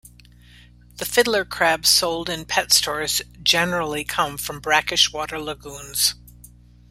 The fiddler crabs sold in pet stores generally come from brackish water lagoons.